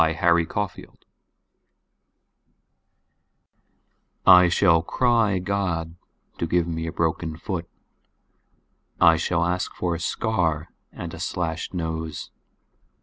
Flash Crimson I SHALL cry God to give me a broken foot.I shall ask for a scar and a slashed nose.